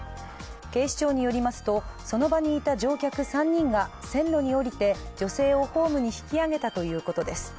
警視庁によりますと、そのばにいた乗客３人が線路に降りて、女性をホームに引き上げたということです。